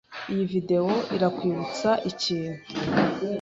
Iyi video irakwibutsa ikintu?